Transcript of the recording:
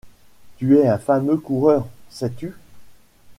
Tu es un fameux coureur, sais-tu ?